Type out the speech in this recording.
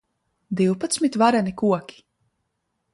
Divpadsmit vareni koki.